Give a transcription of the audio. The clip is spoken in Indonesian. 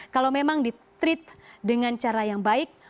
kalau memang di treat dengan cara yang baik